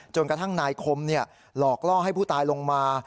กระทั่งนายคมหลอกล่อให้ผู้ตายลงมา